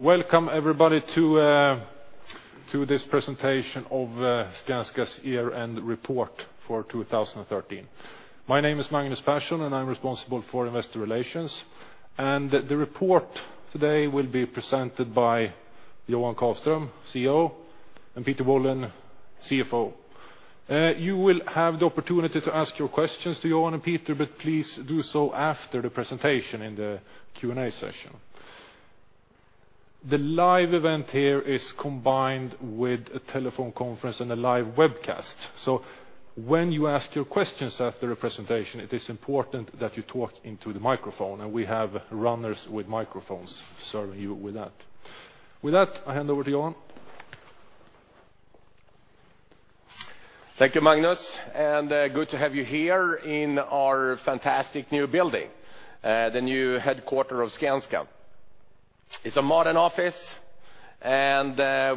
Welcome, everybody, to this presentation of Skanska's year-end report for 2013. My name is Magnus Persson, and I'm responsible for investor relations. The report today will be presented by Johan Karlström, CEO, and Peter Wallin, CFO. You will have the opportunity to ask your questions to Johan and Peter, but please do so after the presentation in the Q&A session. The live event here is combined with a telephone conference and a live webcast. When you ask your questions after the presentation, it is important that you talk into the microphone, and we have runners with microphones serving you with that. With that, I hand over to Johan. Thank you, Magnus, and good to have you here in our fantastic new building, the new headquarters of Skanska. It's a modern office, and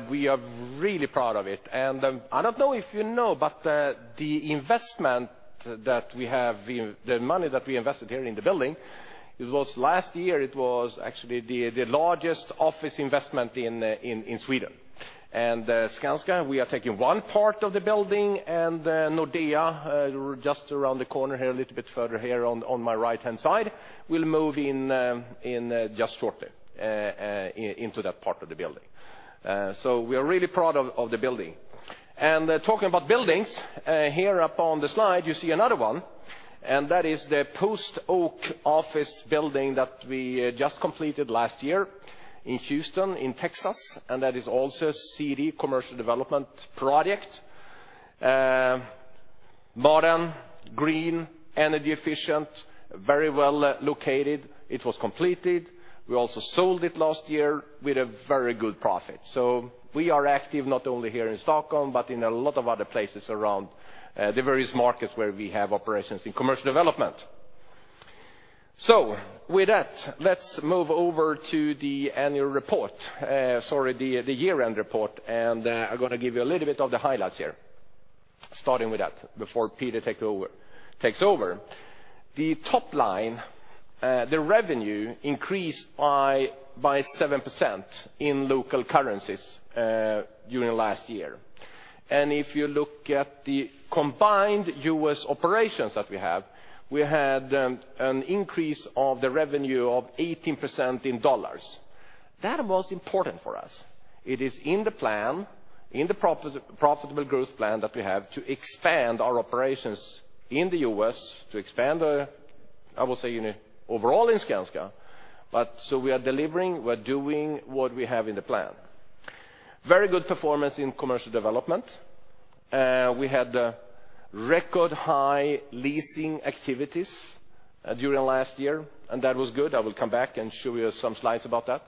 we are really proud of it. I don't know if you know, but the investment that we have, the money that we invested here in the building, it was last year, it was actually the largest office investment in Sweden. Skanska, we are taking one part of the building, and Nordea just around the corner here, a little bit further here on my right-hand side, will move in just shortly into that part of the building. So we are really proud of the building. Talking about buildings, here up on the slide, you see another one, and that is the Post Oak office building that we just completed last year in Houston, in Texas, and that is also CD, commercial development project. Modern, green, energy efficient, very well located. It was completed. We also sold it last year with a very good profit. So we are active not only here in Stockholm, but in a lot of other places around, the various markets where we have operations in commercial development. So with that, let's move over to the annual report, sorry, the year-end report, and, I'm gonna give you a little bit of the highlights here, starting with that before Peter takes over. The top line, the revenue increased by 7% in local currencies during last year. If you look at the combined U.S. operations that we have, we had an increase of the revenue of 18% in dollars. That was important for us. It is in the plan, in the profitable growth plan that we have, to expand our operations in the U.S., to expand, I will say, you know, overall in Skanska, but so we are delivering, we're doing what we have in the plan. Very good performance in commercial development. We had record high leasing activities during last year, and that was good. I will come back and show you some slides about that.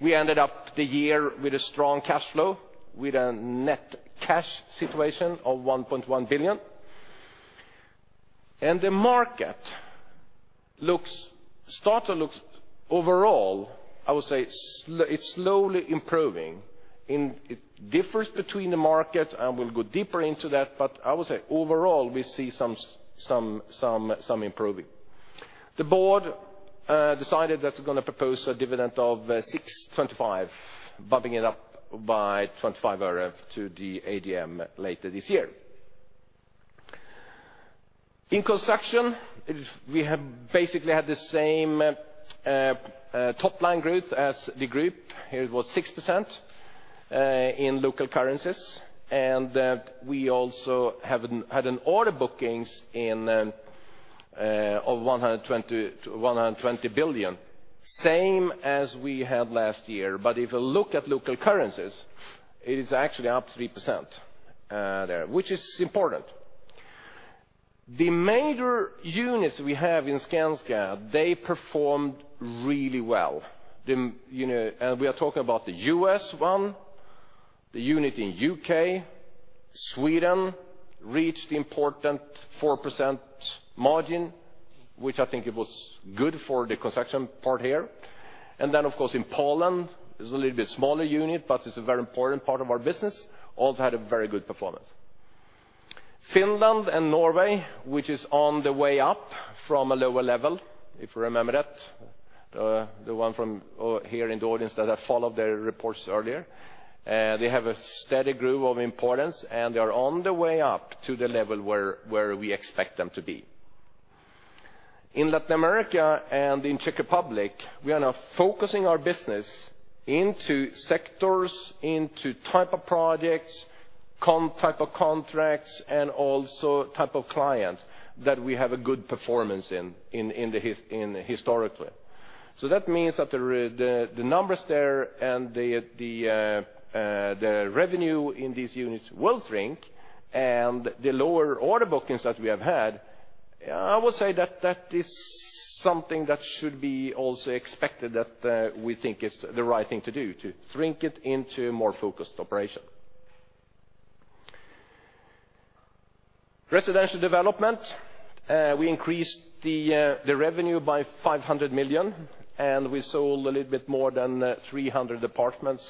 We ended up the year with a strong cash flow, with a net cash situation of 1.1 billion. And the market looks overall, I would say, it's slowly improving. It differs between the markets, and we'll go deeper into that, but I would say overall, we see some, some, some improving. The board decided that it's gonna propose a dividend of 6.25, bumping it up by SEK 0.25 to the AGM later this year. In construction, we have basically had the same top-line growth as the group. Here it was 6% in local currencies, and we also have had an order bookings in of 120 billion- 120 billion, same as we had last year. If you look at local currencies, it is actually up 3% there, which is important. The major units we have in Skanska, they performed really well. You know, and we are talking about the U.S. one, the unit in U.K., Sweden reached the important 4% margin, which I think it was good for the construction part here. And then, of course, in Poland, it's a little bit smaller unit, but it's a very important part of our business, also had a very good performance. Finland and Norway, which is on the way up from a lower level, if you remember that, the one from here in the audience that have followed their reports earlier. They have a steady growth of importance, and they are on the way up to the level where we expect them to be. In Latin America and in Czech Republic, we are now focusing our business into sectors, into type of projects, type of contracts, and also type of clients that we have a good performance in, in historically. So that means that the numbers there and the revenue in these units will shrink, and the lower order bookings that we have had, I will say that that is something that should be also expected, that we think is the right thing to do, to shrink it into a more focused operation. Residential development, we increased the revenue by 500 million, and we sold a little bit more than 300 apartments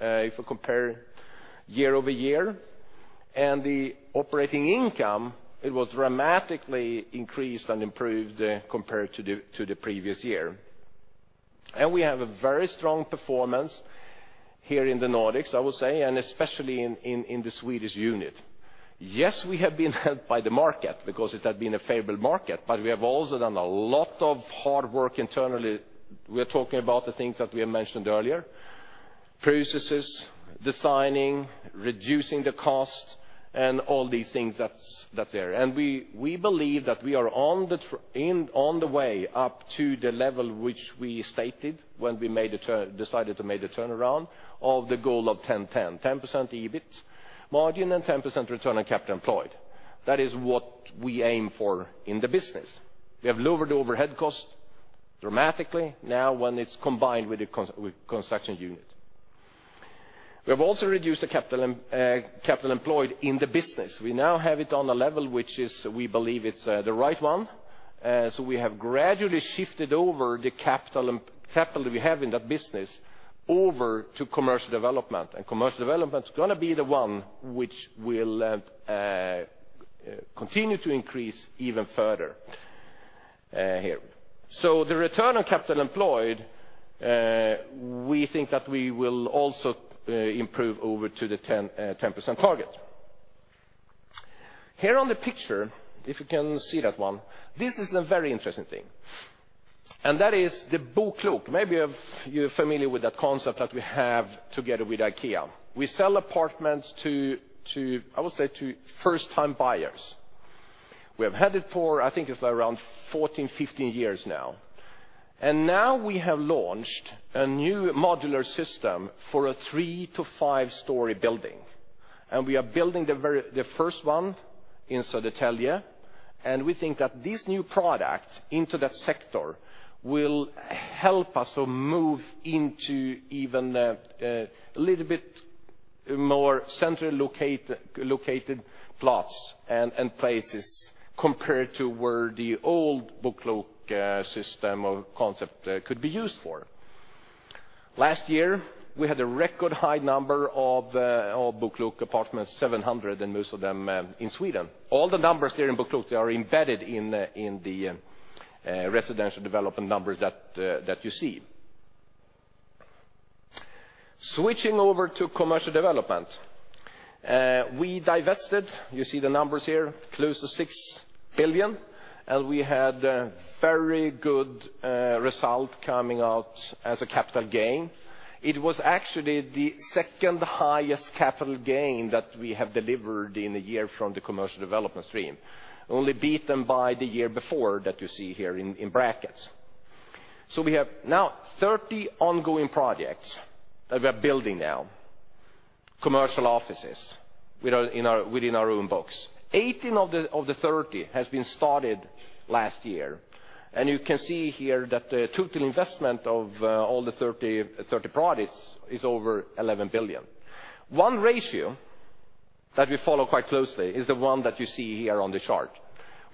if we compare year-over-year. The operating income, it was dramatically increased and improved, compared to the previous year. We have a very strong performance here in the Nordics, I would say, and especially in the Swedish unit. Yes, we have been helped by the market, because it had been a favorable market, but we have also done a lot of hard work internally. We're talking about the things that we have mentioned earlier: processes, designing, reducing the cost, and all these things that's there. We believe that we are on the way up to the level which we stated when we decided to make the turnaround, of the goal of 10-10. 10% EBIT margin and 10% return on capital employed. That is what we aim for in the business. We have lowered the overhead cost dramatically now when it's combined with the construction unit. We have also reduced the capital employed in the business. We now have it on a level which is, we believe it's the right one. So we have gradually shifted over the capital and capital we have in that business over to commercial development. And commercial development is gonna be the one which will continue to increase even further here. So the return on capital employed, we think that we will also improve over to the 10% target. Here on the picture, if you can see that one, this is a very interesting thing. And that is the BoKlok. Maybe if you're familiar with that concept that we have together with IKEA. We sell apartments to, I would say, first-time buyers. We have had it for, I think it's around 14, 15 years now. Now we have launched a new modular system for a 3-5 story building. We are building the first one in Södertälje, and we think that this new product into that sector will help us to move into even a little bit more centrally located plots and places compared to where the old BoKlok system or concept could be used for. Last year, we had a record high number of BoKlok apartments, 700, and most of them in Sweden. All the numbers there in BoKlok, they are embedded in the residential development numbers that you see. Switching over to commercial development. We divested, you see the numbers here, close to 6 billion, and we had a very good result coming out as a capital gain. It was actually the second-highest capital gain that we have delivered in a year from the commercial development stream, only beaten by the year before that you see here in brackets. So we have now 30 ongoing projects that we are building now, commercial offices with our, in our, within our own books. 18 of the, of the 30 has been started last year, and you can see here that the total investment of all the 30 projects is over 11 billion. One ratio that we follow quite closely is the one that you see here on the chart.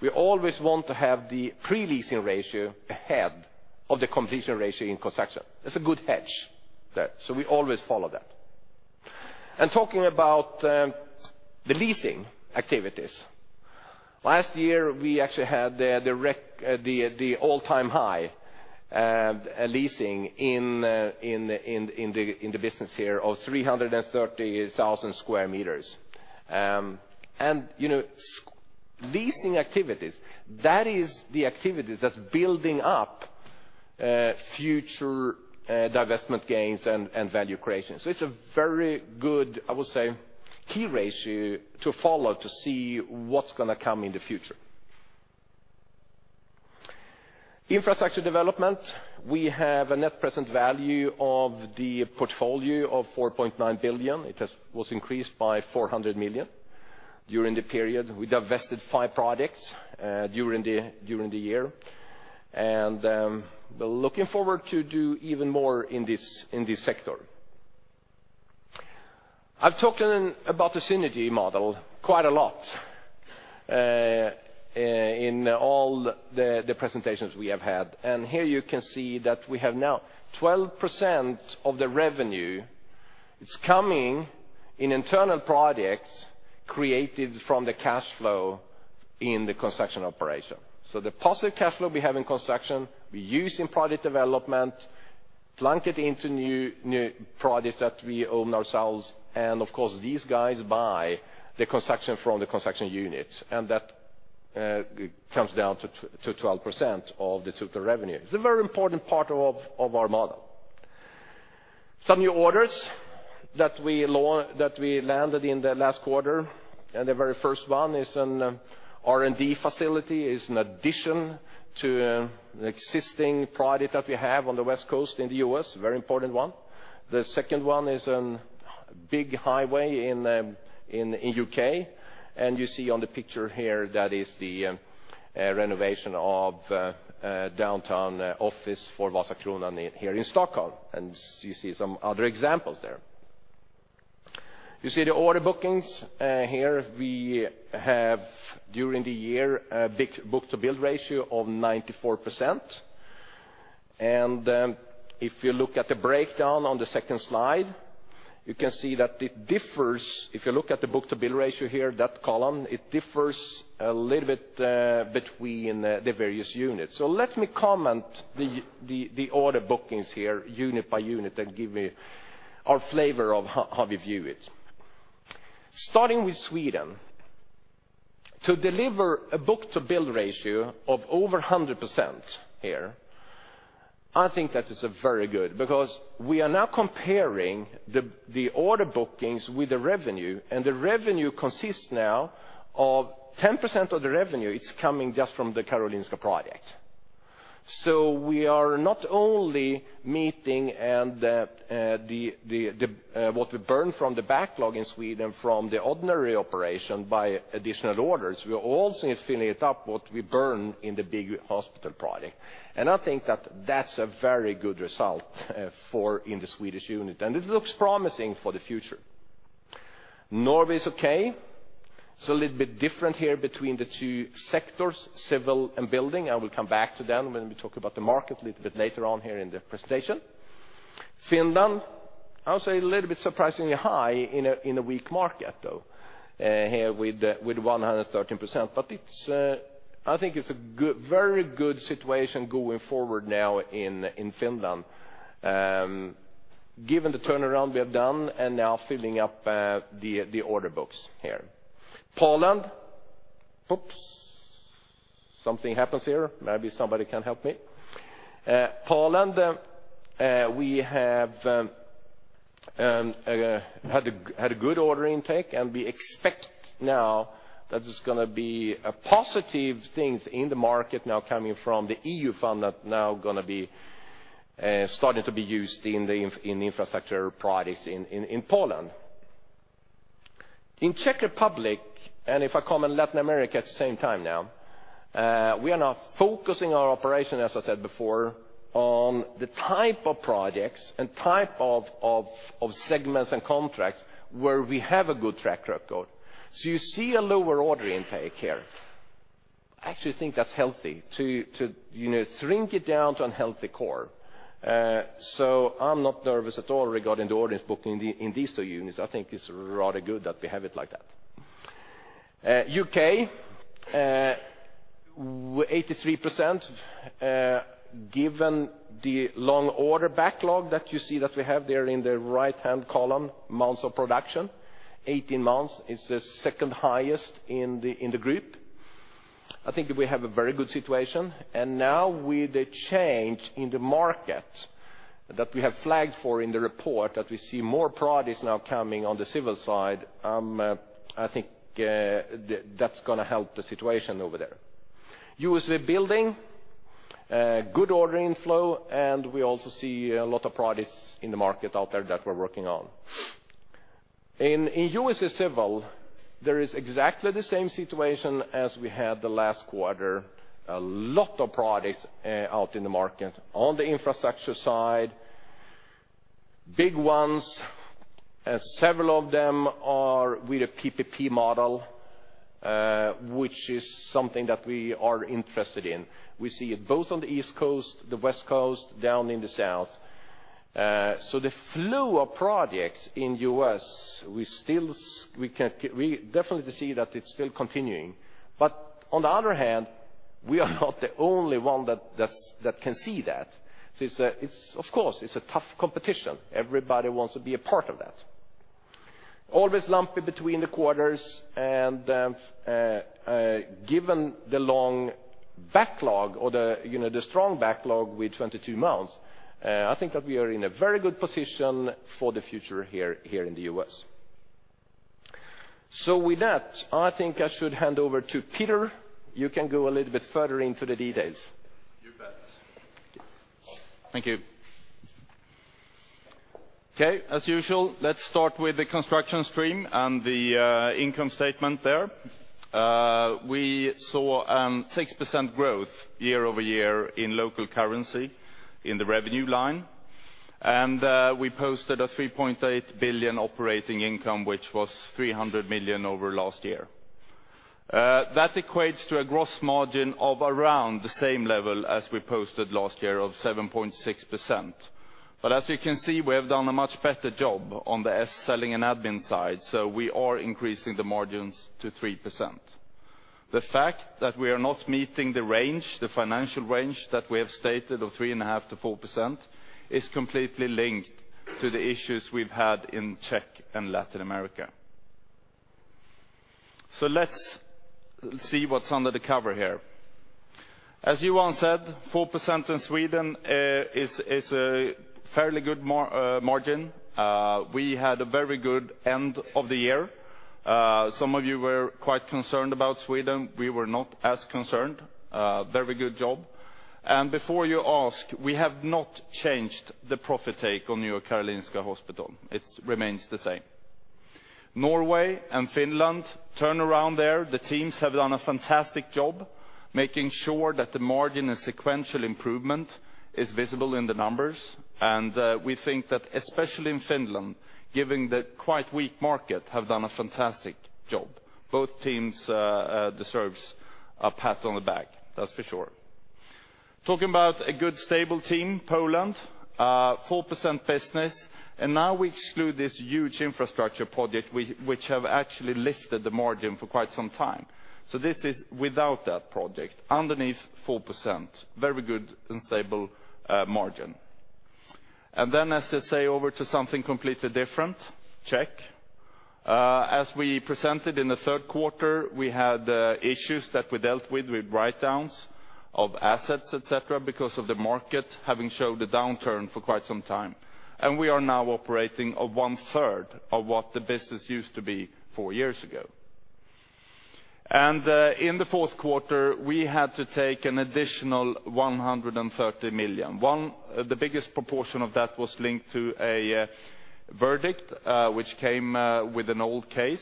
We always want to have the pre-leasing ratio ahead of the completion ratio in construction. It's a good hedge there, so we always follow that. And talking about the leasing activities. Last year, we actually had the all-time high leasing in the business here of 330,000 square meters. And, you know, leasing activities, that is the activities that's building up future divestment gains and value creation. So it's a very good, I would say, key ratio to follow to see what's gonna come in the future. Infrastructure development, we have a net present value of the portfolio of 4.9 billion. It was increased by 400 million during the period. We divested five projects during the year, and we're looking forward to do even more in this sector. I've talked about the synergy model quite a lot in all the presentations we have had. And here you can see that we have now 12% of the revenue is coming in internal projects created from the cash flow in the construction operation. So the positive cash flow we have in construction, we use in product development, plunk it into new projects that we own ourselves, and of course, these guys buy the construction from the construction unit, and that comes down to 12% of the total revenue. It's a very important part of our model. Some new orders that we landed in the last quarter, and the very first one is an R&D facility. It's an addition to an existing product that we have on the West Coast in the U.S., a very important one. The second one is a big highway in UK, and you see on the picture here, that is the renovation of a downtown office for Vasakronan here in Stockholm, and you see some other examples there. You see the order bookings. Here we have, during the year, a big book-to-bill ratio of 94%.... If you look at the breakdown on the second slide, you can see that it differs. If you look at the book-to-bill ratio here, that column, it differs a little bit between the various units. So let me comment the order bookings here unit by unit, and give you our flavor of how we view it. Starting with Sweden, to deliver a book-to-bill ratio of over 100% here, I think that is a very good, because we are now comparing the order bookings with the revenue, and the revenue consists now of 10% of the revenue; it's coming just from the Karolinska project. So we are not only meeting what we burn from the backlog in Sweden from the ordinary operation by additional orders, we are also filling it up, what we burn in the big hospital project. And I think that that's a very good result for the Swedish unit, and it looks promising for the future. Norway is okay. It's a little bit different here between the two sectors, civil and building. I will come back to them when we talk about the market a little bit later on here in the presentation. Finland, I'll say a little bit surprisingly high in a weak market, though, here with 113%. But it's, I think it's a good, very good situation going forward now in Finland. Given the turnaround we have done, and now filling up the order books here. Poland, oops! Something happens here. Maybe somebody can help me. Poland, we have had a good order intake, and we expect now that there's gonna be a positive things in the market now coming from the EU fund, that now gonna be starting to be used in infrastructure projects in Poland. In Czech Republic, and if I comment Latin America at the same time now, we are now focusing our operation, as I said before, on the type of projects and type of segments and contracts where we have a good track record. So you see a lower order intake here. I actually think that's healthy to you know, shrink it down to healthy core. So I'm not nervous at all regarding the orders booked in these two units. I think it's rather good that we have it like that. UK, with 83%, given the long order backlog that you see that we have there in the right-hand column, months of production, 18 months is the second highest in the group. I think we have a very good situation. And now with the change in the market that we have flagged for in the report, that we see more projects now coming on the civil side, I think, that's gonna help the situation over there. USA Building, good order inflow, and we also see a lot of projects in the market out there that we're working on. In USA Civil, there is exactly the same situation as we had the last quarter. A lot of projects out in the market on the infrastructure side. Big ones, and several of them are with a PPP model, which is something that we are interested in. We see it both on the East Coast, the West Coast, down in the South. So the flow of projects in US, we still—we definitely see that it's still continuing. But on the other hand, we are not the only one that can see that. So it's, of course, a tough competition. Everybody wants to be a part of that. Always lumpy between the quarters, and given the long backlog or the, you know, the strong backlog with 22 months, I think that we are in a very good position for the future here in the US. So with that, I think I should hand over to Peter. You can go a little bit further into the details. You bet. Thank you. Okay, as usual, let's start with the construction stream and the income statement there. We saw 6% growth year-over-year in local currency in the revenue line, and we posted a 3.8 billion operating income, which was 300 million over last year. That equates to a gross margin of around the same level as we posted last year, of 7.6%. But as you can see, we have done a much better job on the S&A selling and admin side, so we are increasing the margins to 3%. The fact that we are not meeting the range, the financial range that we have stated of 3.5%-4%, is completely linked to the issues we've had in Czech and Latin America. So let's see what's under the cover here. As Johan said, 4% in Sweden is a fairly good margin. We had a very good end of the year. Some of you were quite concerned about Sweden. We were not as concerned. Very good job. And before you ask, we have not changed the profit take on new Karolinska Hospital. It remains the same. Norway and Finland turnaround there, the teams have done a fantastic job making sure that the margin and sequential improvement is visible in the numbers. And we think that especially in Finland, given the quite weak market, have done a fantastic job. Both teams deserves a pat on the back, that's for sure. Talking about a good, stable team, Poland, 4% business, and now we exclude this huge infrastructure project, which have actually lifted the margin for quite some time. So this is without that project, under 4%, very good and stable margin. And then as I say, over to something completely different, Czech. As we presented in the third quarter, we had issues that we dealt with, with write downs of assets, et cetera, because of the market having showed a downturn for quite some time. And we are now operating at one-third of what the business used to be four years ago. And in the fourth quarter, we had to take an additional 130 million. The biggest proportion of that was linked to a verdict which came with an old case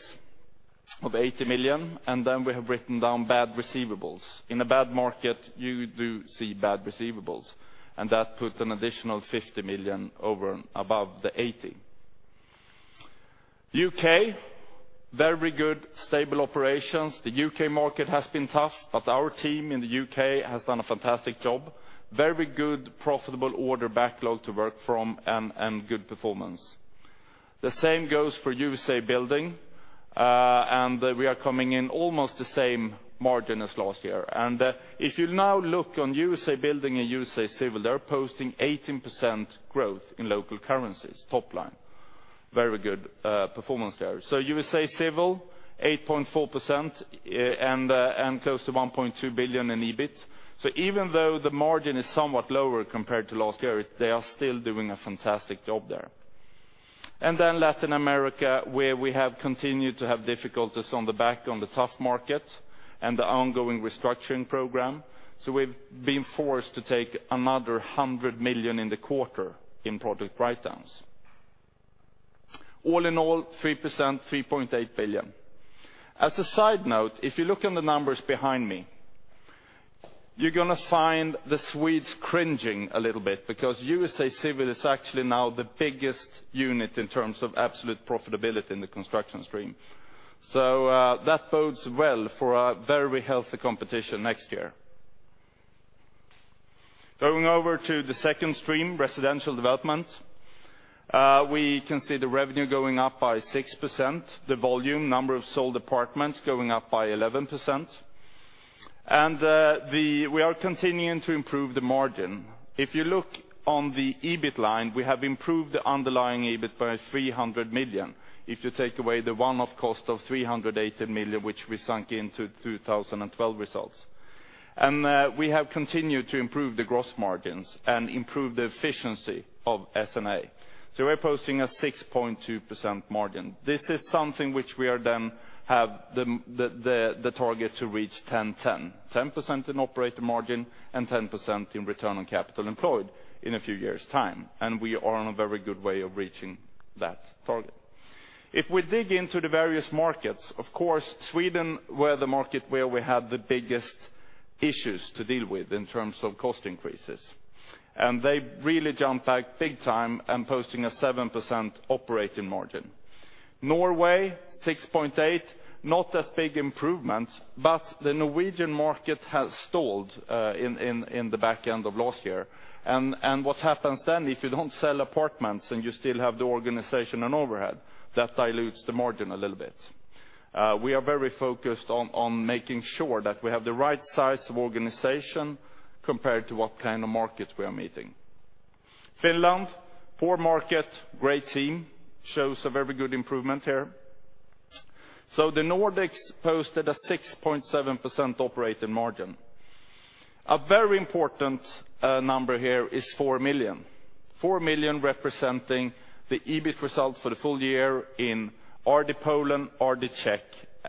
of 80 million, and then we have written down bad receivables. In a bad market, you do see bad receivables, and that put an additional 50 million over above the eighty. U.K., very good, stable operations. The U.K. market has been tough, but our team in the U.K. has done a fantastic job. Very good, profitable order backlog to work from and good performance. The same goes for USA Building, and we are coming in almost the same margin as last year. And if you now look on USA Building and USA Civil, they're posting 18% growth in local currencies, top line. Very good performance there. So USA Civil, 8.4%, and close to $1.2 billion in EBIT. So even though the margin is somewhat lower compared to last year, they are still doing a fantastic job there. And then Latin America, where we have continued to have difficulties on the back of the tough market and the ongoing restructuring program. So we've been forced to take another 100 million in the quarter in project write downs. All in all, 3%, 3.8 billion. As a side note, if you look on the numbers behind me, you're going to find the Swedes cringing a little bit because USA Civil is actually now the biggest unit in terms of absolute profitability in the construction stream. So, that bodes well for a very healthy competition next year. Going over to the second stream, residential development, we can see the revenue going up by 6%, the volume, number of sold apartments going up by 11%. And, we are continuing to improve the margin. If you look on the EBIT line, we have improved the underlying EBIT by 300 million, if you take away the one-off cost of 380 million, which we sunk into 2012 results. And we have continued to improve the gross margins and improve the efficiency of S&A. So we're posting a 6.2% margin. This is something which we then have the target to reach 10/10, 10% in operating margin and 10% in return on capital employed in a few years' time, and we are on a very good way of reaching that target. If we dig into the various markets, of course, Sweden, where the market where we had the biggest issues to deal with in terms of cost increases, and they really jumped back big time and posting a 7% operating margin. Norway, 6.8, not as big improvement, but the Norwegian market has stalled in the back end of last year. And what happens then, if you don't sell apartments and you still have the organization and overhead, that dilutes the margin a little bit. We are very focused on making sure that we have the right size of organization compared to what kind of markets we are meeting. Finland, poor market, great team, shows a very good improvement here. So the Nordics posted a 6.7% operating margin. A very important number here is 4 million. 4 million representing the EBIT result for the full year in RD Poland, RD Czech,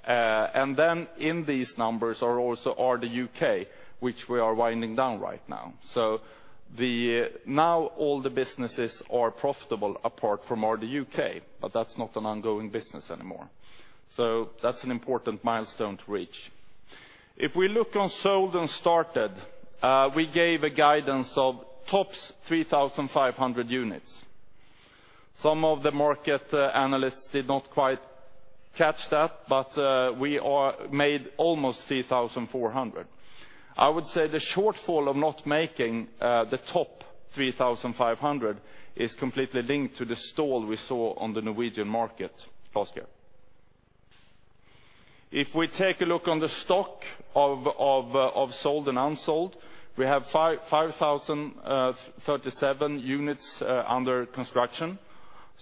and then in these numbers are also RD UK, which we are winding down right now. So now all the businesses are profitable apart from RD UK, but that's not an ongoing business anymore. So that's an important milestone to reach. If we look on sold and started, we gave a guidance of tops 3,500 units. Some of the market analysts did not quite catch that, but, we are made almost 3,400. I would say the shortfall of not making, the top 3,500 is completely linked to the stall we saw on the Norwegian market last year. If we take a look on the stock of sold and unsold, we have 5,037 units under construction.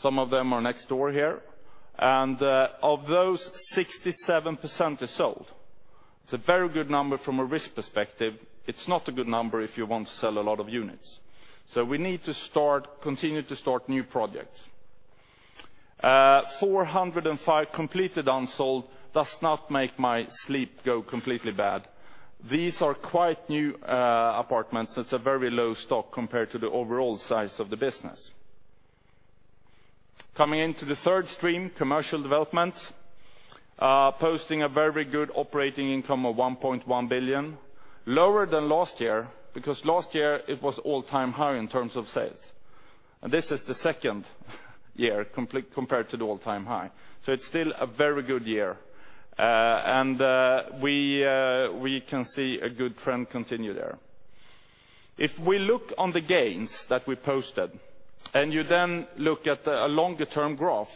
Some of them are next door here. Of those, 67% is sold. It's a very good number from a risk perspective. It's not a good number if you want to sell a lot of units. So we need to start, continue to start new projects. 405 completely unsold does not make my sleep go completely bad. These are quite new apartments. It's a very low stock compared to the overall size of the business. Coming into the third stream, commercial development, posting a very good operating income of 1.1 billion, lower than last year, because last year it was all-time high in terms of sales. This is the second year completely compared to the all-time high. So it's still a very good year. And we can see a good trend continue there. If we look on the gains that we posted, and you then look at the, a longer term graph,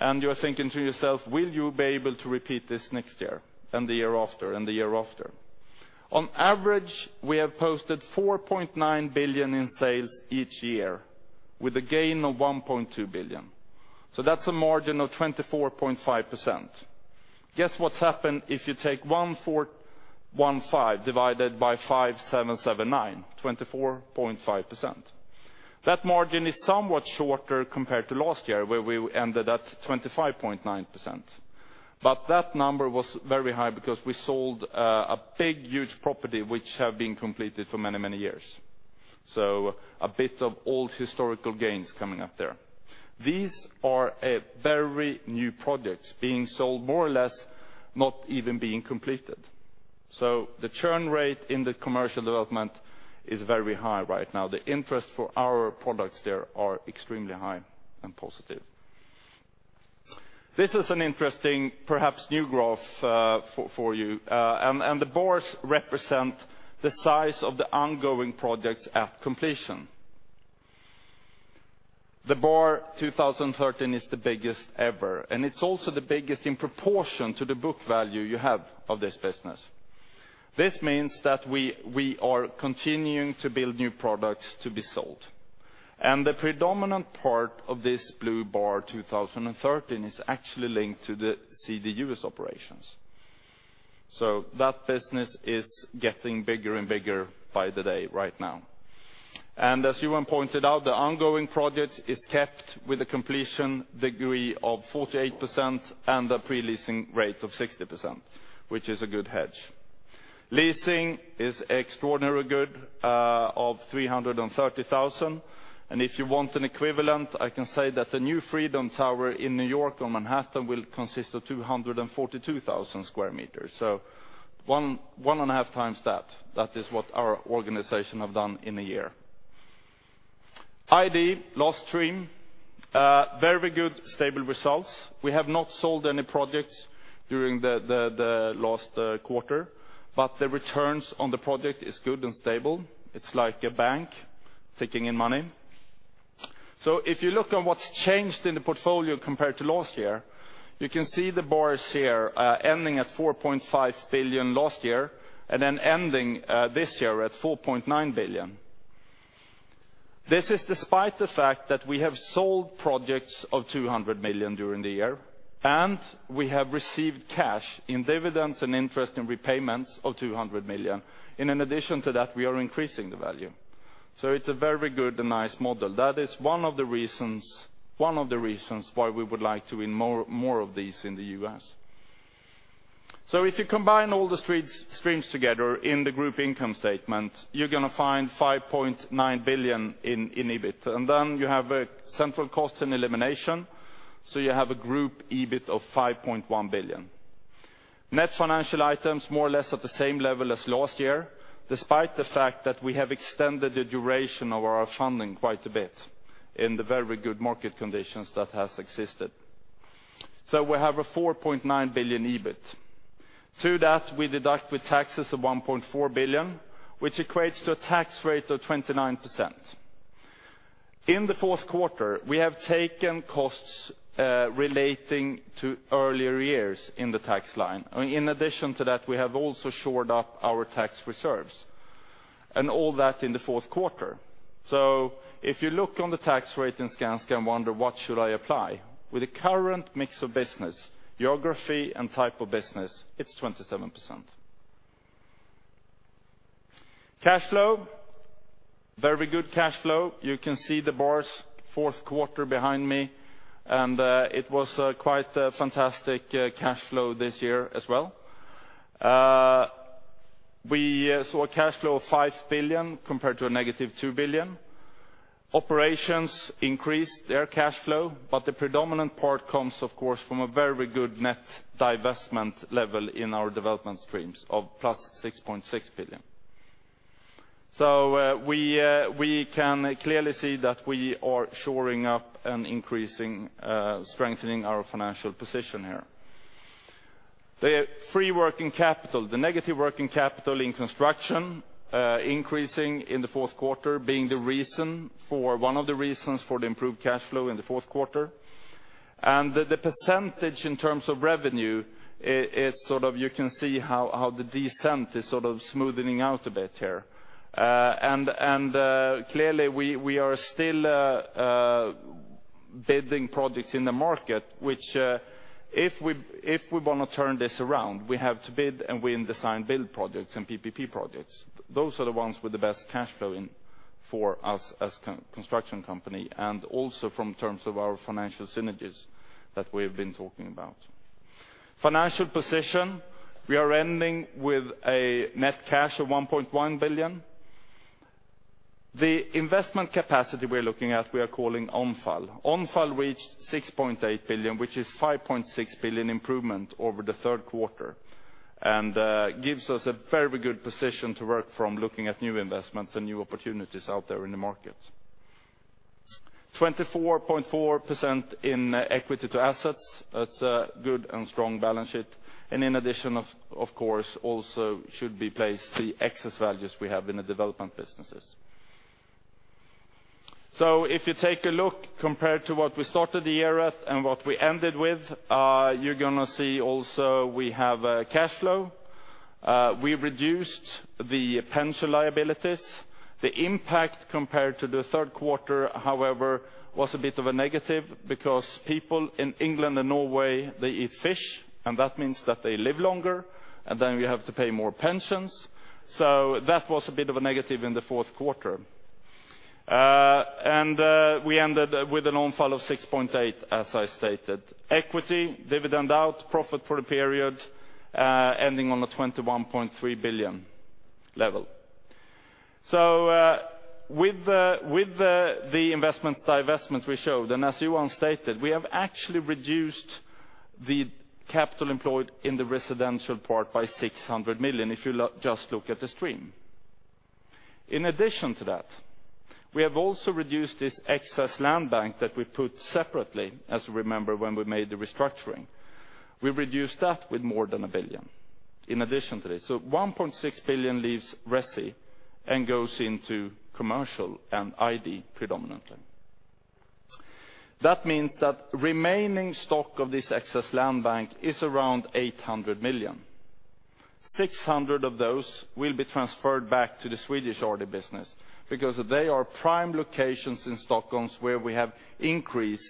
and you are thinking to yourself: Will you be able to repeat this next year, and the year after, and the year after? On average, we have posted 4.9 billion in sales each year, with a gain of 1.2 billion. So that's a margin of 24.5%. Guess what's happened if you take 1,415 divided by 5,779, 24.5%. That margin is somewhat shorter compared to last year, where we ended at 25.9%. But that number was very high because we sold a big, huge property which have been completed for many, many years. So a bit of old historical gains coming up there. These are a very new products being sold more or less, not even being completed. So the churn rate in the commercial development is very high right now. The interest for our products there are extremely high and positive. This is an interesting, perhaps, new graph for you. And the bars represent the size of the ongoing projects at completion. The bar 2013 is the biggest ever, and it's also the biggest in proportion to the book value you have of this business. This means that we are continuing to build new products to be sold. And the predominant part of this blue bar, 2013, is actually linked to the CD US operations. That business is getting bigger and bigger by the day right now. As Johan pointed out, the ongoing project is kept with a completion degree of 48% and a pre-leasing rate of 60%, which is a good hedge. Leasing is extraordinarily good of 330,000, and if you want an equivalent, I can say that the new Freedom Tower in New York, on Manhattan, will consist of 242,000 square meters. So one and a half times that, that is what our organization have done in a year. ID, last stream, very good, stable results. We have not sold any projects during the last quarter, but the returns on the project is good and stable. It's like a bank taking in money. So if you look on what's changed in the portfolio compared to last year, you can see the bars here, ending at 4.5 billion last year, and then ending this year at 4.9 billion. This is despite the fact that we have sold projects of 200 million during the year, and we have received cash in dividends and interest in repayments of 200 million. And in addition to that, we are increasing the value. So it's a very good and nice model. That is one of the reasons, one of the reasons why we would like to win more, more of these in the US. So if you combine all the streams together in the group income statement, you're going to find 5.9 billion in EBIT. And then you have a central cost and elimination, so you have a group EBIT of 5.1 billion. Net financial items, more or less at the same level as last year, despite the fact that we have extended the duration of our funding quite a bit in the very good market conditions that has existed. So we have a 4.9 billion EBIT. To that, we deduct with taxes of 1.4 billion, which equates to a tax rate of 29%. In the fourth quarter, we have taken costs relating to earlier years in the tax line. In addition to that, we have also shored up our tax reserves, and all that in the fourth quarter. So if you look on the tax rate in Skanska and wonder: What should I apply? With the current mix of business, geography and type of business, it's 27%. Cash flow, very good cash flow. You can see the bars, fourth quarter behind me, and, it was a quite a fantastic, cash flow this year as well. We saw a cash flow of 5 billion compared to -2 billion. Operations increased their cash flow, but the predominant part comes, of course, from a very good net divestment level in our development streams of +6.6 billion. So we, we can clearly see that we are shoring up and increasing, strengthening our financial position here. The free working capital, the negative working capital in construction, increasing in the fourth quarter, being the reason for, one of the reasons for the improved cash flow in the fourth quarter. The percentage in terms of revenue, it sort of, you can see how the descent is sort of smoothening out a bit here. Clearly, we are still bidding projects in the market, which, if we want to turn this around, we have to bid and win design build projects and PPP projects. Those are the ones with the best cash flow in for us as construction company, and also from terms of our financial synergies that we have been talking about. Financial position, we are ending with a net cash of 1.1 billion. The investment capacity we're looking at, we are calling Omfall. Omfall reached 6.8 billion, which is 5.6 billion improvement over the third quarter.... and gives us a very good position to work from looking at new investments and new opportunities out there in the market. 24.4% in equity to assets, that's a good and strong balance sheet. And in addition, of, of course, also should be placed the excess values we have in the development businesses. So if you take a look compared to what we started the year at and what we ended with, you're gonna see also we have a cash flow. We reduced the pension liabilities. The impact compared to the third quarter, however, was a bit of a negative because people in England and Norway, they eat fish, and that means that they live longer, and then we have to pay more pensions. So that was a bit of a negative in the fourth quarter. And we ended with an Omfall of 6.8, as I stated. Equity dividend out, profit for the period ending on the 21.3 billion level. So, with the investment divestment we showed, and as Johan stated, we have actually reduced the capital employed in the residential part by 600 million, if you just look at the stream. In addition to that, we have also reduced this excess land bank that we put separately, as you remember, when we made the restructuring. We reduced that with more than 1 billion in addition to this. So 1.6 billion leaves resi and goes into commercial and ID, predominantly. That means that remaining stock of this excess land bank is around 800 million. 600 of those will be transferred back to the Swedish order business because they are prime locations in Stockholm, where we have increased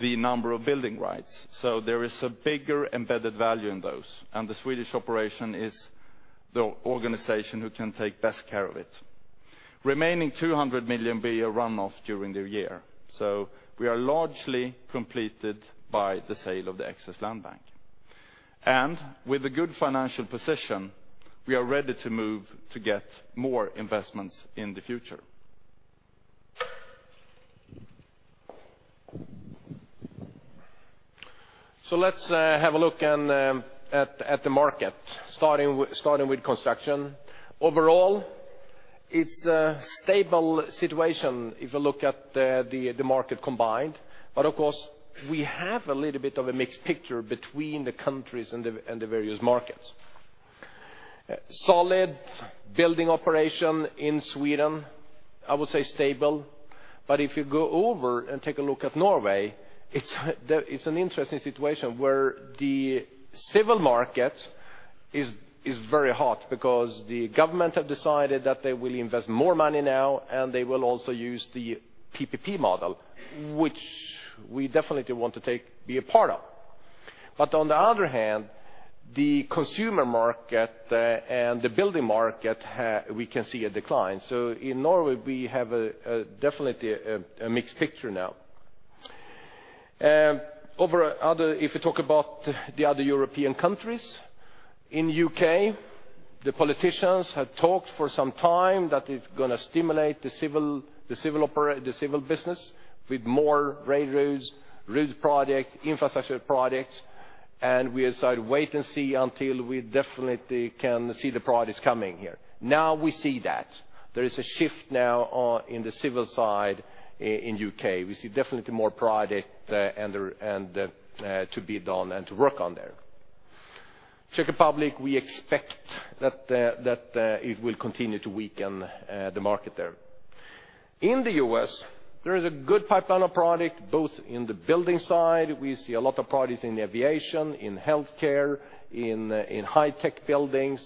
the number of building rights. So there is a bigger embedded value in those, and the Swedish operation is the organization who can take best care of it. Remaining 200 million be a runoff during the year, so we are largely completed by the sale of the excess land bank. And with a good financial position, we are ready to move to get more investments in the future. So let's have a look and at the market, starting with construction. Overall, it's a stable situation if you look at the market combined. But of course, we have a little bit of a mixed picture between the countries and the various markets. Solid building operation in Sweden, I would say stable. But if you go over and take a look at Norway, it's an interesting situation where the civil market is very hot because the government have decided that they will invest more money now, and they will also use the PPP model, which we definitely want to be a part of. But on the other hand, the consumer market and the building market, we can see a decline. So in Norway, we have definitely a mixed picture now. If you talk about the other European countries, in UK, the politicians have talked for some time that it's gonna stimulate the civil business with more railroads, road projects, infrastructure projects, and we decided to wait and see until we definitely can see the projects coming here. Now, we see that. There is a shift now in the civil side in UK. We see definitely more projects and the to be done and to work on there. Czech Republic, we expect that it will continue to weaken the market there. In the US, there is a good pipeline of product, both in the building side, we see a lot of projects in aviation, in healthcare, in high tech buildings,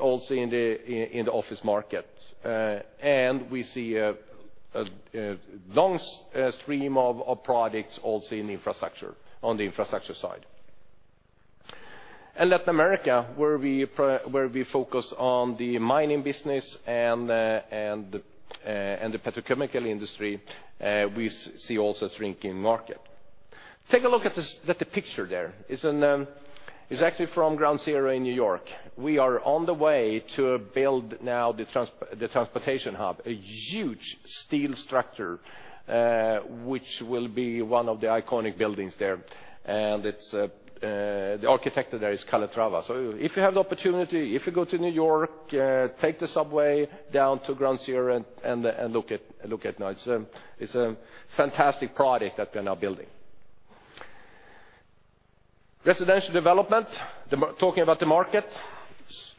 also in the office market. And we see a long stream of products also in infrastructure, on the infrastructure side. In Latin America, where we focus on the mining business and the petrochemical industry, we see also shrinking market. Take a look at this, the picture there. It's actually from Ground Zero in New York. We are on the way to build now the transportation hub, a huge steel structure, which will be one of the iconic buildings there. And it's the architect there is Calatrava. So if you have the opportunity, if you go to New York, take the subway down to Ground Zero and look at now. It's a fantastic project that we are now building. Residential Development, talking about the market,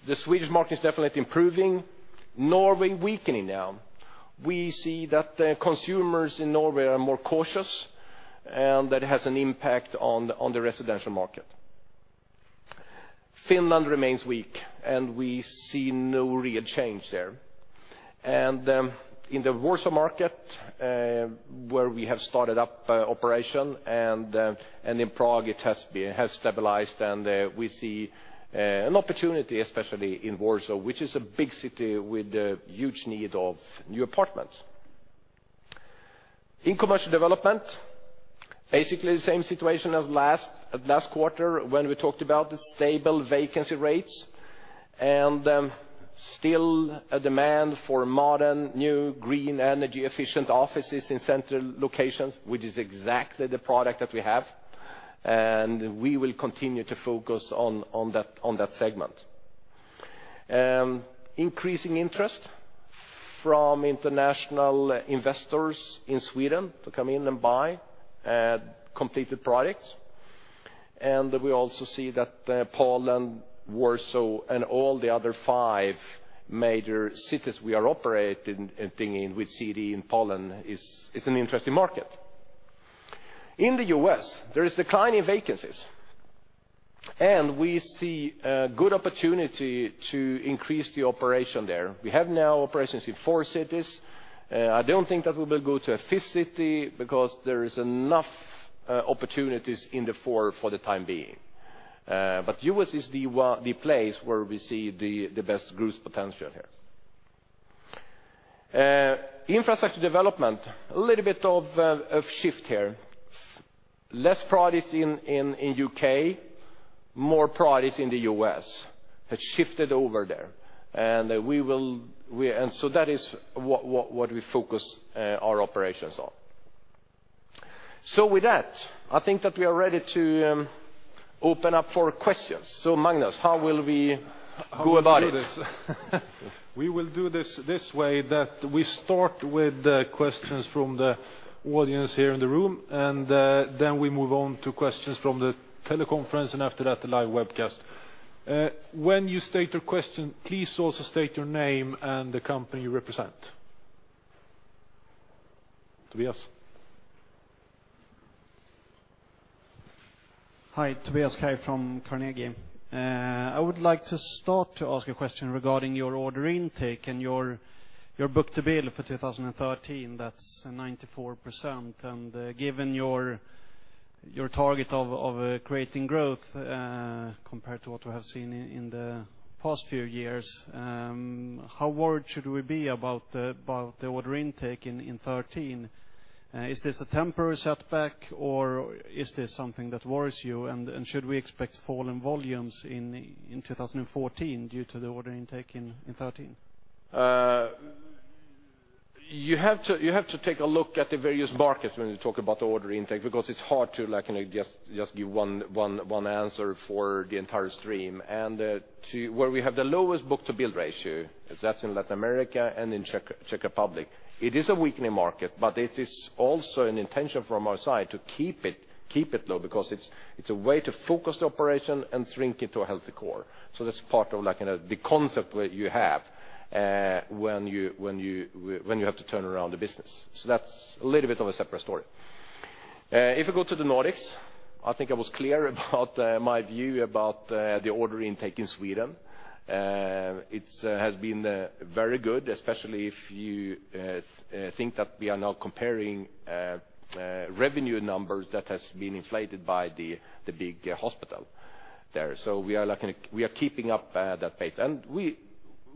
the Swedish market is definitely improving, Norway weakening now. We see that the consumers in Norway are more cautious, and that has an impact on the residential market. Finland remains weak, and we see no real change there. In the Warsaw market, where we have started up operation, and in Prague, it has stabilized, and we see an opportunity, especially in Warsaw, which is a big city with a huge need of new apartments. In Commercial Development, basically the same situation as last quarter, when we talked about the stable vacancy rates. Still a demand for modern, new, green, energy efficient offices in central locations, which is exactly the product that we have. We will continue to focus on that segment. Increasing interest from international investors in Sweden to come in and buy completed products. We also see that Poland, Warsaw, and all the other five major cities we are operating in with CD in Poland is, it's an interesting market. In the U.S., there is declining vacancies, and we see a good opportunity to increase the operation there. We have now operations in four cities. I don't think that we will go to a fifth city, because there is enough opportunities in the four for the time being. U.S. is the one- the place where we see the best growth potential here. Infrastructure development, a little bit of shift here. Less projects in U.K., more projects in the U.S., has shifted over there. And so that is what we focus our operations on. So with that, I think that we are ready to open up for questions. So Magnus, how will we go about it? We will do this, this way, that we start with the questions from the audience here in the room, and then we move on to questions from the teleconference, and after that, the live webcast. When you state your question, please also state your name and the company you represent. Tobias? Hi, Tobias Kaj from Carnegie. I would like to start to ask a question regarding your order intake and your book to bill for 2013, that's 94%. And given your target of creating growth compared to what we have seen in the past few years, how worried should we be about the order intake in 2013? Is this a temporary setback, or is this something that worries you, and should we expect fall in volumes in 2014 due to the order intake in 2013? You have to take a look at the various markets when you talk about the order intake, because it's hard to, like, you know, just give one answer for the entire stream. And to where we have the lowest book-to-bill ratio, that's in Latin America and in Czech Republic. It is a weakening market, but it is also an intention from our side to keep it low, because it's a way to focus the operation and shrink it to a healthy core. So that's part of, like, you know, the concept that you have when you have to turn around the business. So that's a little bit of a separate story. If you go to the Nordics, I think I was clear about my view about the order intake in Sweden. It's has been very good, especially if you think that we are now comparing revenue numbers that has been inflated by the, the big hospital there. So we are, like, you know, we are keeping up that pace. And we,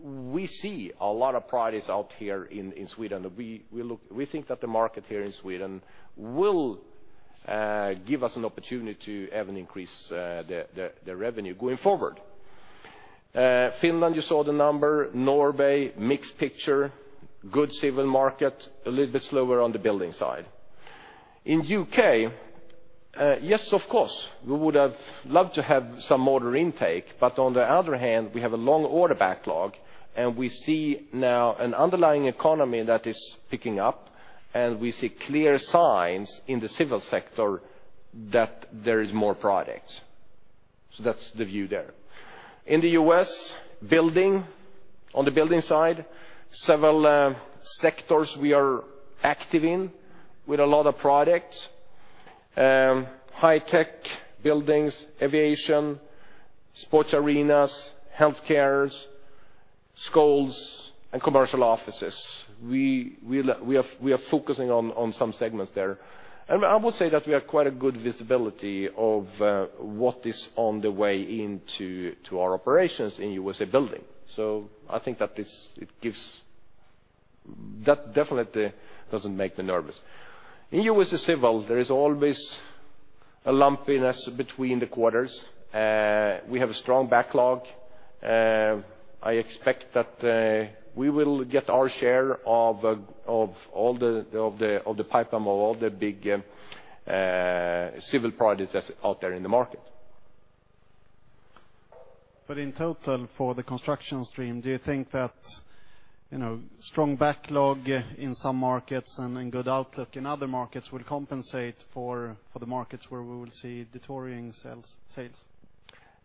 we see a lot of projects out here in, in Sweden. We, we look—we think that the market here in Sweden will give us an opportunity to have an increase the, the, the revenue going forward. Finland, you saw the number. Norway, mixed picture. Good civil market, a little bit slower on the building side. In U.K., yes, of course, we would have loved to have some order intake, but on the other hand, we have a long order backlog, and we see now an underlying economy that is picking up, and we see clear signs in the civil sector that there is more projects. So that's the view there. In the U.S., building, on the building side, several sectors we are active in with a lot of products. High-tech buildings, aviation, sports arenas, healthcares, schools, and commercial offices. We are focusing on some segments there. And I would say that we have quite a good visibility of what is on the way into our operations in USA building. So I think that this gives... That definitely doesn't make me nervous. In USA civil, there is always a lumpiness between the quarters. We have a strong backlog. I expect that we will get our share of all the pipeline of all the big civil projects that's out there in the market. In total, for the construction stream, do you think that, you know, strong backlog in some markets and good outlook in other markets will compensate for the markets where we will see deteriorating sales?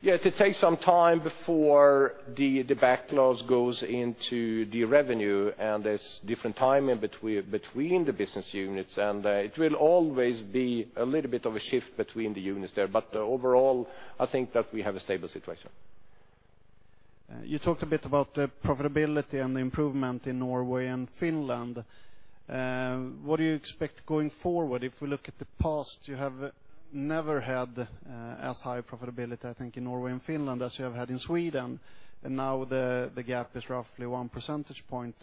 Yeah, it takes some time before the backlogs goes into the revenue, and there's different timing between the business units. And it will always be a little bit of a shift between the units there. But overall, I think that we have a stable situation. You talked a bit about the profitability and the improvement in Norway and Finland. What do you expect going forward? If we look at the past, you have never had as high profitability, I think, in Norway and Finland as you have had in Sweden, and now the gap is roughly 1 percentage point.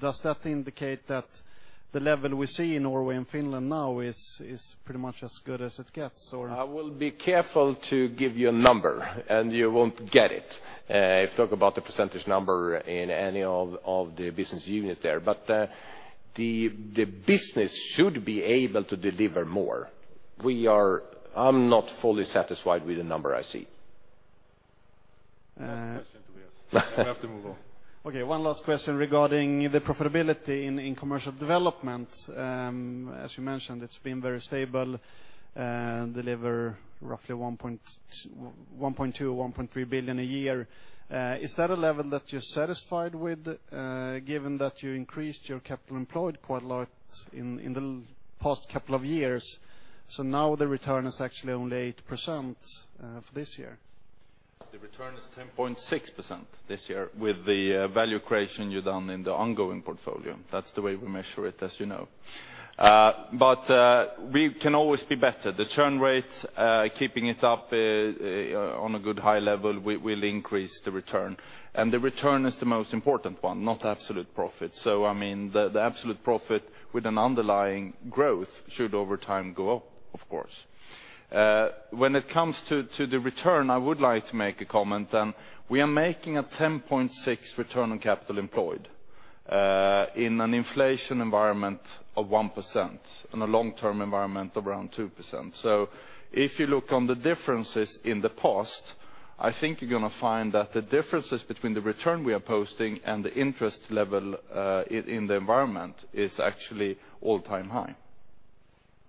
Does that indicate that the level we see in Norway and Finland now is pretty much as good as it gets, or? I will be careful to give you a number, and you won't get it. If you talk about the percentage number in any of the business units there. But, the business should be able to deliver more. We are. I'm not fully satisfied with the number I see... Last question, Tobias. I have to move on. Okay, one last question regarding the profitability in commercial development. As you mentioned, it's been very stable, and delivers roughly 1.2-1.3 billion SEK a year. Is that a level that you're satisfied with, given that you increased your capital employed quite a lot in the past couple of years? So now the return is actually only 8%, for this year. The return is 10.6% this year with the value creation you've done in the ongoing portfolio. That's the way we measure it, as you know. But we can always be better. The churn rates, keeping it up on a good high level will increase the return. And the return is the most important one, not absolute profit. So I mean, the absolute profit with an underlying growth should over time go up, of course. When it comes to the return, I would like to make a comment, and we are making a 10.6 return on capital employed in an inflation environment of 1%, in a long-term environment around 2%. So if you look on the differences in the past, I think you're going to find that the differences between the return we are posting and the interest level in the environment is actually all-time high.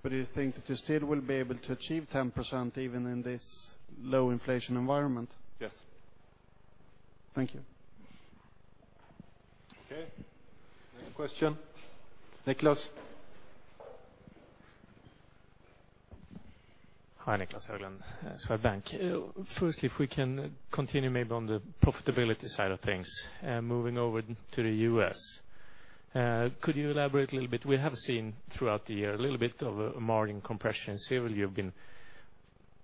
Do you think that you still will be able to achieve 10% even in this low inflation environment? Yes. Thank you. Okay. Next question, Nicholas? Hi, Niclas Höglund, SEB Bank. Firstly, if we can continue maybe on the profitability side of things, moving over to the US. Could you elaborate a little bit? We have seen throughout the year a little bit of a margin compression. Civil, you've been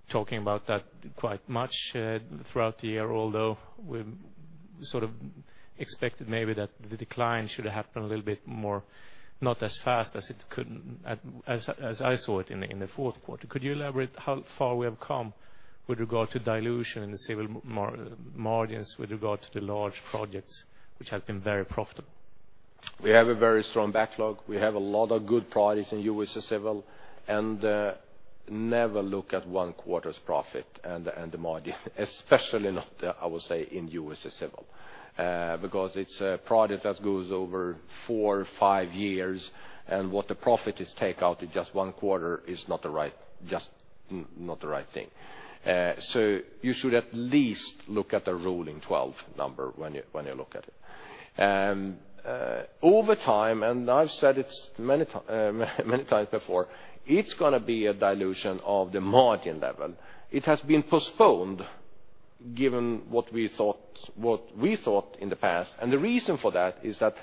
talking about that quite much throughout the year, although we sort of expected maybe that the decline should have happened a little bit more, not as fast as it could, as I saw it in the fourth quarter. Could you elaborate how far we have come with regard to dilution in the civil margins, with regard to the large projects which have been very profitable? We have a very strong backlog. We have a lot of good projects in U.S. Civil, and never look at one quarter's profit and the, and the margin, especially not, I would say, in U.S. Civil. Because it's a project that goes over four, five years, and what the profit is take out in just one quarter is not the right, just not the right thing. So you should at least look at the rolling twelve number when you, when you look at it. And, over time, and I've said it many times before, it's going to be a dilution of the margin level. It has been postponed, given what we thought, what we thought in the past. And the reason for that is that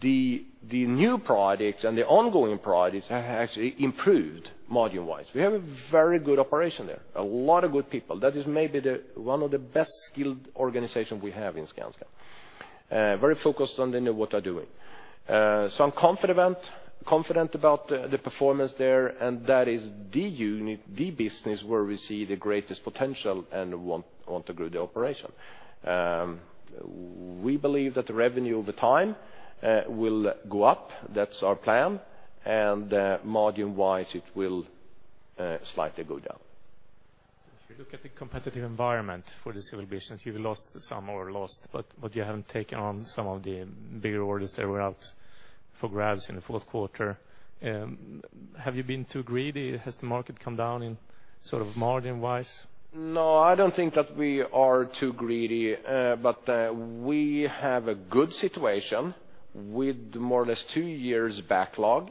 the, the new projects and the ongoing projects have actually improved margin-wise. We have a very good operation there, a lot of good people. That is maybe one of the best skilled organization we have in Skanska. Very focused on they know what they're doing. So I'm confident, confident about the performance there, and that is the unit, the business where we see the greatest potential and want, want to grow the operation. We believe that the revenue over time will go up. That's our plan. And, margin-wise, it will slightly go down. So if you look at the competitive environment for the civil business, you've lost some or lost, but you haven't taken on some of the bigger orders that were out for grabs in the fourth quarter. Have you been too greedy? Has the market come down in sort of margin-wise? No, I don't think that we are too greedy, but we have a good situation with more or less two years backlog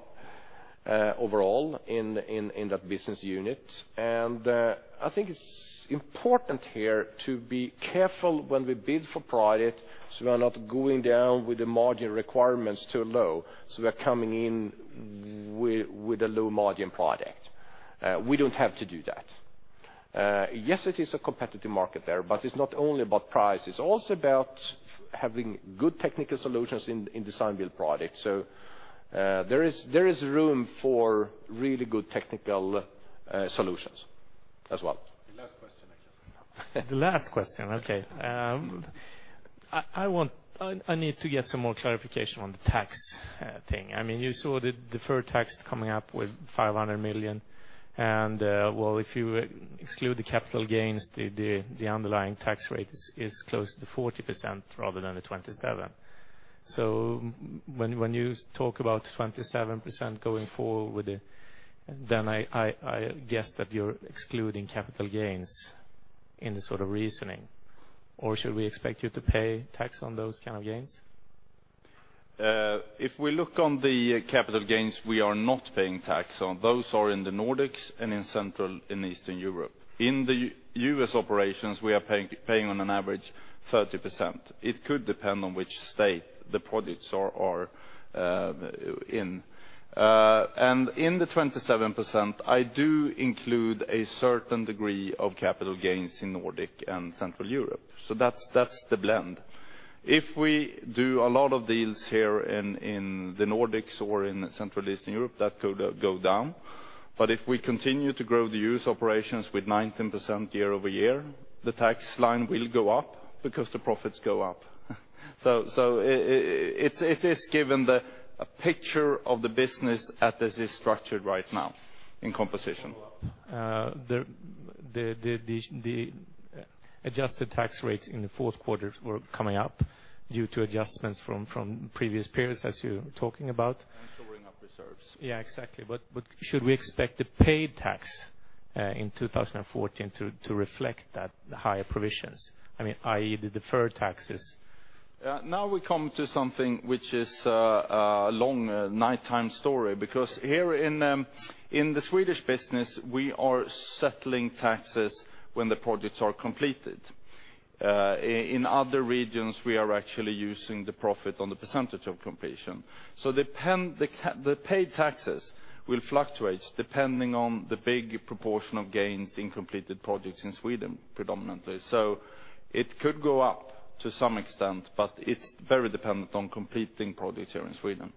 overall in that business unit. I think it's important here to be careful when we bid for projects, so we are not going down with the margin requirements too low, so we are coming in with a low-margin project. We don't have to do that. Yes, it is a competitive market there, but it's not only about price. It's also about having good technical solutions in Design Build projects. So, there is room for really good technical solutions as well. The last question, Nicholas. The last question, okay. I want—I need to get some more clarification on the tax thing. I mean, you saw the deferred tax coming up with 500 million, and well, if you exclude the capital gains, the underlying tax rate is close to 40% rather than the 27. So when you talk about 27% going forward, then I guess that you're excluding capital gains in this sort of reasoning, or should we expect you to pay tax on those kind of gains? If we look on the capital gains, we are not paying tax on. Those are in the Nordics and in Central and Eastern Europe. In the U.S. operations, we are paying on an average 30%. It could depend on which state the projects are in. And in the 27%, I do include a certain degree of capital gains in Nordic and Central Europe. So that's the blend. If we do a lot of deals here in the Nordics or in Central Eastern Europe, that could go down. But if we continue to grow the U.S. operations with 19% year-over-year, the tax line will go up because the profits go up. So it's given the picture of the business as it is structured right now in composition. The adjusted tax rates in the fourth quarter were coming up due to adjustments from previous periods, as you're talking about. Storing up reserves. Yeah, exactly. But should we expect the paid tax in 2014 to reflect that higher provisions? I mean, i.e., the deferred taxes. Now we come to something which is a long nighttime story, because here in the Swedish business, we are settling taxes when the projects are completed. In other regions, we are actually using the profit on the percentage of completion. So the paid taxes will fluctuate depending on the big proportion of gains in completed projects in Sweden, predominantly. So it could go up to some extent, but it's very dependent on completing projects here in Sweden.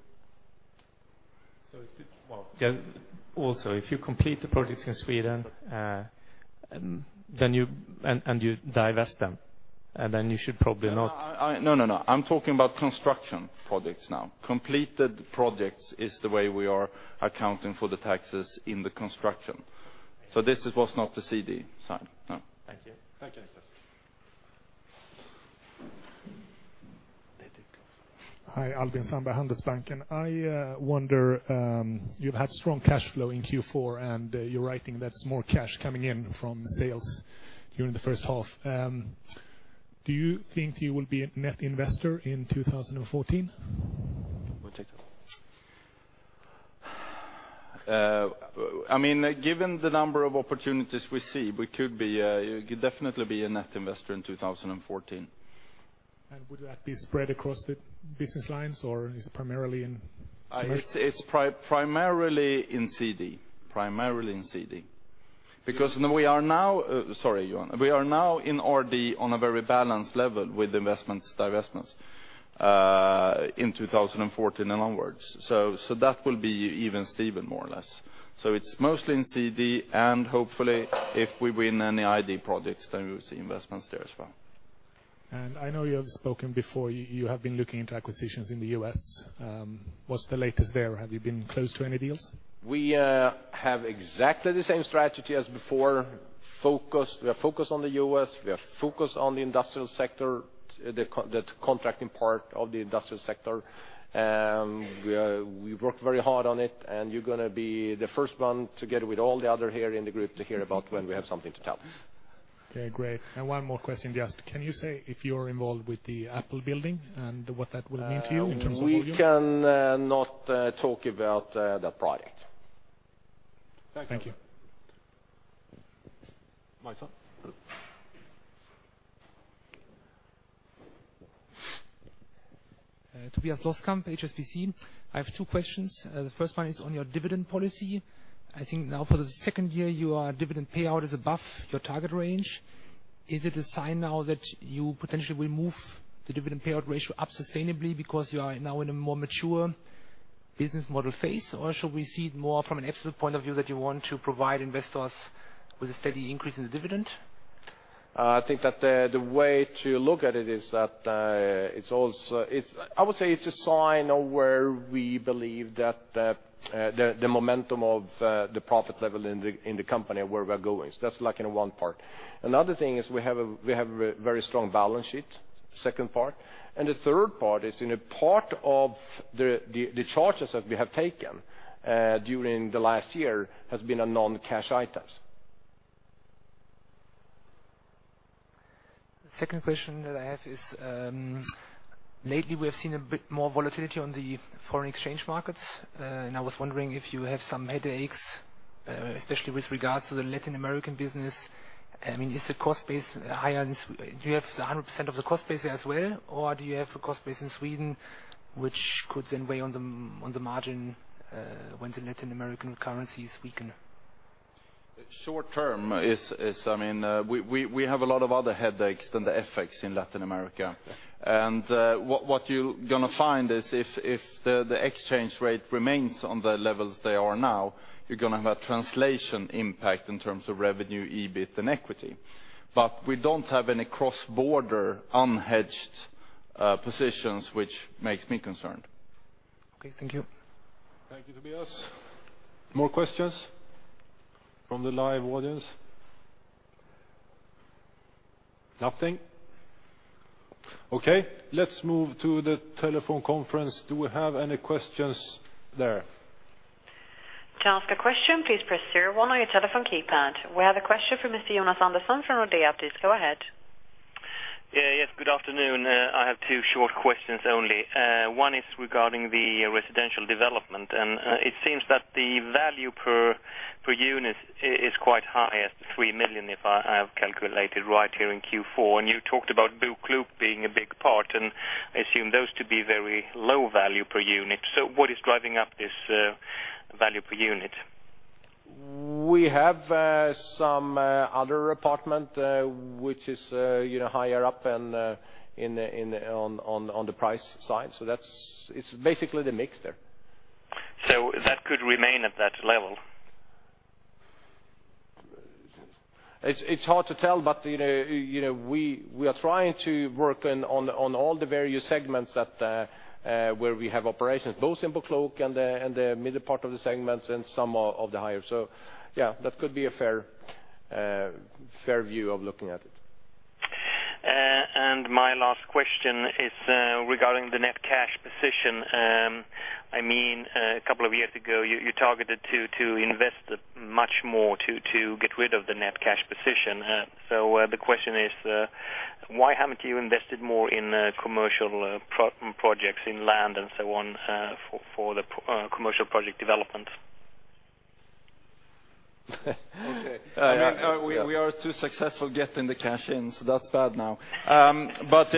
So if it, well, then also, if you complete the projects in Sweden, then you and, and you divest them, and then you should probably not- No, no, no, I'm talking about construction projects now. Completed projects is the way we are accounting for the taxes in the construction. So this was not the CD side, no. Thank you. Thank you. Hi, Albin Sandberg, Handelsbanken. I wonder, you've had strong cash flow in Q4, and you're writing that's more cash coming in from sales during the first half. Do you think you will be a net investor in 2014? I mean, given the number of opportunities we see, we could be, could definitely be a net investor in 2014. Would that be spread across the business lines, or is it primarily in commercial? It's primarily in CD, primarily in CD. Because we are now, sorry, Johan. We are now in RD on a very balanced level with investments, divestments, in 2014 and onwards. So, that will be even steven, more or less. So it's mostly in CD, and hopefully, if we win any ID projects, then we will see investments there as well. I know you have spoken before, you have been looking into acquisitions in the U.S. What's the latest there? Have you been close to any deals? We have exactly the same strategy as before. We are focused on the U.S., we are focused on the industrial sector, the contracting part of the industrial sector. We are, we've worked very hard on it, and you're going to be the first one, together with all the other here in the group, to hear about when we have something to tell. Okay, great. One more question, just can you say if you're involved with the Apple building and what that will mean to you in terms of volume? We can not talk about that project. Thank you. Thank you. Maysa? Tobias Loskamp, HSBC. I have two questions. The first one is on your dividend policy. I think now for the second year, your dividend payout is above your target range. Is it a sign now that you potentially will move the dividend payout ratio up sustainably because you are now in a more mature business model phase? Or should we see it more from an excellent point of view, that you want to provide investors with a steady increase in the dividend? I think that the way to look at it is that it's also. It's—I would say it's a sign of where we believe that the momentum of the profit level in the company and where we're going. So that's like in one part. Another thing is we have a very strong balance sheet, second part. And the third part is in a part of the charges that we have taken during the last year has been a non-cash items. The second question that I have is, lately, we have seen a bit more volatility on the foreign exchange markets, and I was wondering if you have some headaches, especially with regards to the Latin American business. I mean, is the cost base higher? Do you have 100% of the cost base as well, or do you have a cost base in Sweden, which could then weigh on the margin, when the Latin American currencies weaken? Short term is, I mean, we have a lot of other headaches than the effects in Latin America. Yeah. What you're going to find is if the exchange rate remains on the levels they are now, you're going to have a translation impact in terms of revenue, EBIT, and equity. But we don't have any cross-border unhedged positions, which makes me concerned. Okay. Thank you. Thank you, Tobias. More questions from the live audience? Nothing? Okay, let's move to the telephone conference. Do we have any questions there? To ask a question, please press zero one on your telephone keypad. We have a question from Mr. Jonas Andersson from Nordea. Please go ahead. Yeah, yes, good afternoon. I have two short questions only. One is regarding the residential development, and it seems that the value per unit is quite high at 3 million, if I have calculated right here in Q4. And you talked about BoKlok being a big part, and I assume those to be very low value per unit. So what is driving up this value per unit? We have some other apartment which is, you know, higher up than on the price side. So that's it, it's basically the mix there. That could remain at that level?... It's hard to tell, but you know, we are trying to work on all the various segments that where we have operations, both in BoKlok and the middle part of the segments and some of the higher. So yeah, that could be a fair view of looking at it. And my last question is regarding the net cash position. I mean, a couple of years ago, you targeted to invest much more to get rid of the net cash position. So, the question is, why haven't you invested more in commercial property projects in land and so on, for the commercial property development? Okay, we are too successful getting the cash in, so that's bad now. But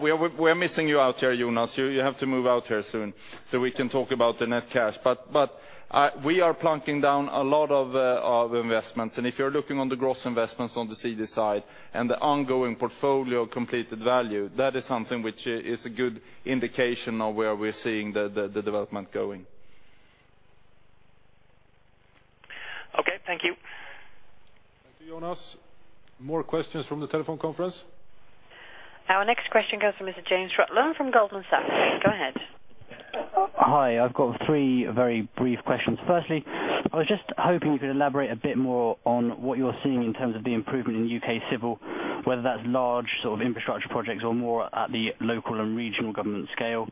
we are, we're missing you out here, Jonas. You have to move out here soon so we can talk about the net cash. But we are plunking down a lot of investments, and if you're looking on the gross investments on the CD side and the ongoing portfolio completed value, that is something which is a good indication of where we're seeing the development going. Okay, thank you. Thank you, Jonas. More questions from the telephone conference? Our next question comes from Mr. James Rutland from Goldman Sachs. Go ahead. Hi, I've got three very brief questions. Firstly, I was just hoping you could elaborate a bit more on what you're seeing in terms of the improvement in U.K. Civil, whether that's large sort of infrastructure projects or more at the local and regional government scale.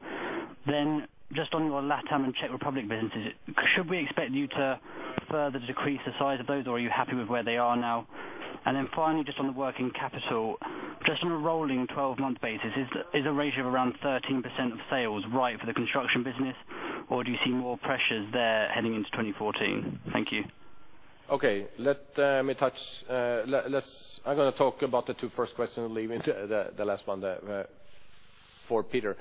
Then just on your Latam and Czech Republic businesses, should we expect you to further decrease the size of those, or are you happy with where they are now? And then finally, just on the working capital, just on a rolling 12-month basis, is a ratio of around 13% of sales right for the construction business, or do you see more pressures there heading into 2014? Thank you. Okay, let's... I'm gonna talk about the two first questions and leave the last one there for Peter.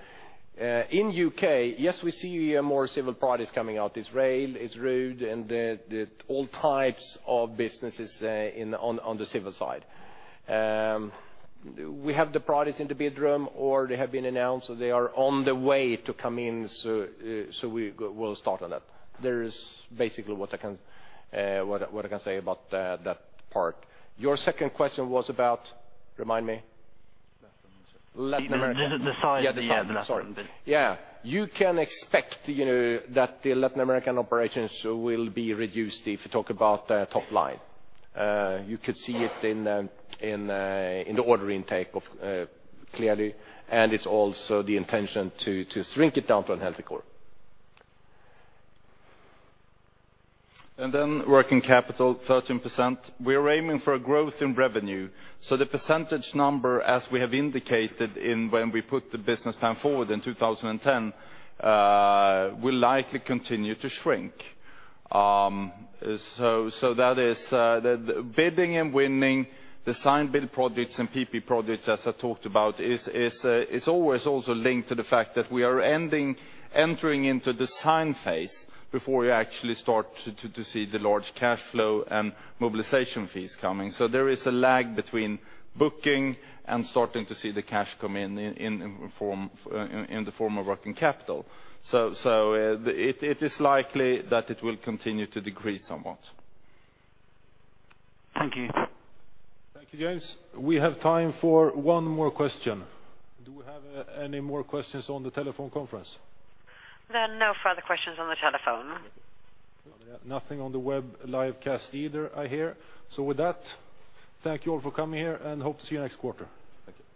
In UK, yes, we see more civil projects coming out. It's rail, it's road, and all types of businesses in on the civil side. We have the projects in the bid room, or they have been announced, so they are on the way to come in, so we'll start on that. There is basically what I can say about that part. Your second question was about? Remind me. Latin America. The size. Yeah, the size. Sorry. Yeah. Yeah. You can expect, you know, that the Latin American operations will be reduced if you talk about the top line. You could see it in the order intake, clearly, and it's also the intention to shrink it down to a healthy core. Then working capital, 13%. We are aiming for a growth in revenue, so the percentage number, as we have indicated when we put the business plan forward in 2010, will likely continue to shrink. So that is the bidding and winning the design-build projects and PPP projects, as I talked about, is always also linked to the fact that we are entering into the design phase before we actually start to see the large cash flow and mobilization fees coming. So there is a lag between booking and starting to see the cash come in in the form of working capital. So it is likely that it will continue to decrease somewhat. Thank you. Thank you, James. We have time for one more question. Do we have any more questions on the telephone conference? There are no further questions on the telephone. Nothing on the web live cast either, I hear. So with that, thank you all for coming here, and hope to see you next quarter. Thank you.